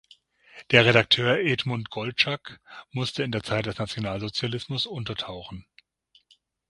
Der Redakteur Edmund Goldschagg musste in der Zeit des Nationalsozialismus untertauchen.